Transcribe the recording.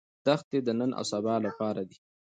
دښتې د نن او سبا لپاره دي.